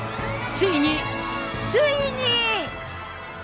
ついに、ついに。